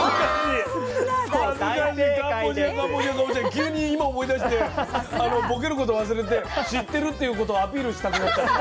急に今思い出してボケること忘れて知ってるっていうことをアピールしたくなっちゃった。